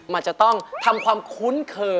มันจะต้องทำความคุ้นเคย